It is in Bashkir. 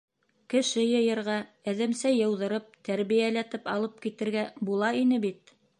Кеше йыйырға, әҙәмсә йыуҙырып, тәрбиәләтеп алып китергә була ине бит...